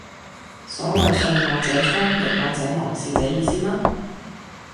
所謂順我者昌、逆我者亡是這意思嗎？